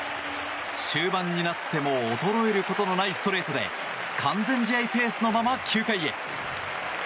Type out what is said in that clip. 終盤になっても衰えることのないストレートで完全試合ペースのまま９回へ。